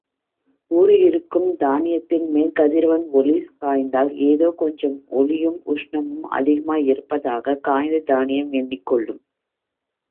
ஊறியிருக்கும் தானியத்தின் மேல் கதிரவன் ஒளி காய்ந்தால், ஏதோ கொஞ்சம் ஒளியும் உஷ்ணமும் அதிகமாயிருப்பதாகக் காய்ந்த தானியம் எண்ணிக்கொள்ளும்.